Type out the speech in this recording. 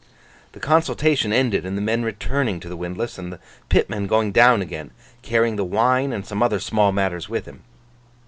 The consultation ended in the men returning to the windlass, and the pitman going down again, carrying the wine and some other small matters with him.